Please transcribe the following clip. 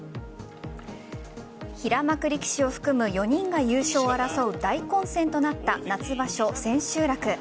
平幕力士を含む４人が優勝を争う大混戦となった夏場所千秋楽。